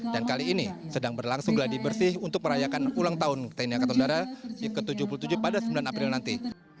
kali ini sedang berlangsung geladi bersih untuk merayakan ulang tahun tni angkatan udara yang ke tujuh puluh tujuh pada sembilan april nanti